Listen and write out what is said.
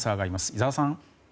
井澤さん。